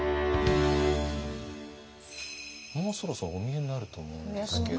もうそろそろお見えになると思うんですけど。